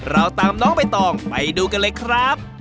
เราตามน้องใบตองไปดูกันเลยครับ